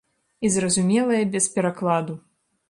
І зразумелая без перакладу.